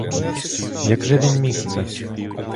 Як же він міг це?